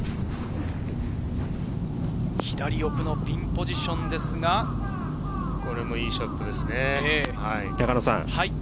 左奥のピンポジシこれもいいショットですね。